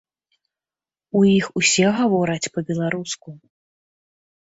У іх усе гавораць па-беларуску.